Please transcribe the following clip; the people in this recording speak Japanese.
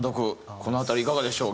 この辺りいかがでしょう？